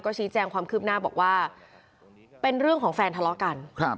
ชี้แจงความคืบหน้าบอกว่าเป็นเรื่องของแฟนทะเลาะกันครับ